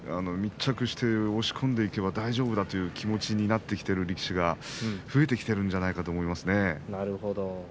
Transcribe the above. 密着して押し込んでいけば大丈夫だという気持ちになってきている力士が増えてきているんじゃないかなと思いますね。